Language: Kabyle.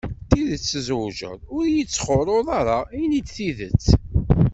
D tidet tzewǧeḍ? ur iyi-d-sxurruḍ ara, ini-d tidet.